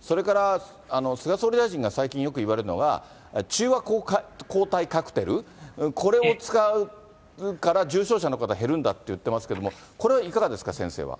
それから菅総理大臣が最近、よく言われるのが、中和抗体カクテル、これを使うから、重症者の方が減るんだって言ってますけども、これはいかがですか、先生は。